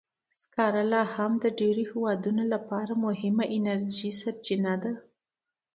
سکاره لا هم د ډېرو هېوادونو لپاره مهمه انرژي سرچینه ده.